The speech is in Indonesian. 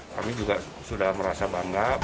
kami juga sudah merasa bangga